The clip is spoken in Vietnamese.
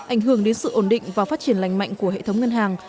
ảnh hưởng đến sự ổn định và phát triển lành mạnh của hệ thống ngân hàng